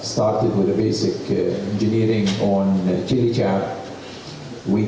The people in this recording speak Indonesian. kami ingin mengembangkan dan memperbaiki kedua duanya